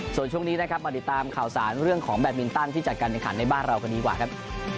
ส่วนช่วงนี้นะครับมาติดตามข่าวสารเรื่องของแบตมินตันที่จัดการแข่งขันในบ้านเรากันดีกว่าครับ